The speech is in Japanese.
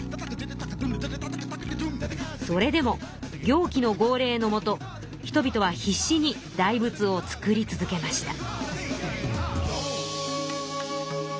それでも行基の号令のもと人々は必死に大仏を造り続けました。